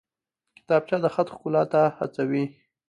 کتابچه د خط ښکلا ته هڅوي